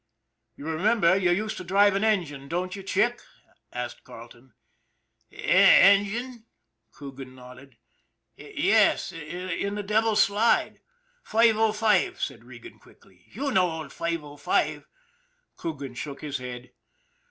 ' You remember you used to drive an engine, don't you, Chick ?" asked Carleton. " Engine? " Coogan nodded. " Yes; in the Devil's Slide." " 55>" sa id Regan quickly. " You know old 505." Coogan shook his head.